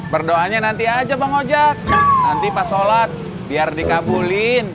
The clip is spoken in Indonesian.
berdoanya nanti aja bang ojek nanti pas sholat biar dikabulin